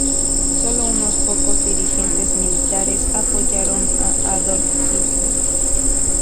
Sólo unos pocos dirigentes militares apoyaron a Adolf Hitler.